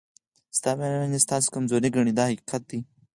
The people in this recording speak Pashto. ستا مهرباني ستاسو کمزوري ګڼي دا حقیقت دی.